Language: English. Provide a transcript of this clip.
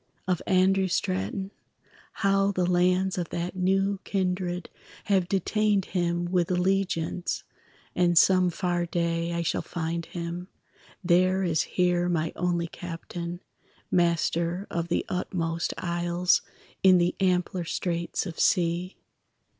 of Andrew Straton; How the lands of that new kindred Have detained him with allegiance, And some far day I shall find him, There as here my only captain, Master of the utmost isles In the ampler straits of sea.